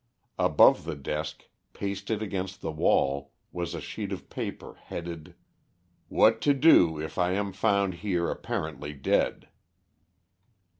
Above the desk, pasted against the wall, was a sheet of paper headed: "What to do if I am found here apparently dead."